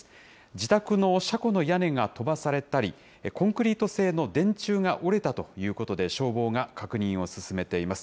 自宅の車庫の屋根が飛ばされたり、コンクリート製の電柱が折れたということで、消防が確認を進めています。